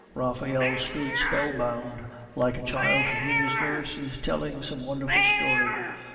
Raphael stood spellbound, like a child to whom his nurse is telling some wonderful story.